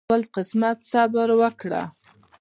خپل قسمت صبر وکړه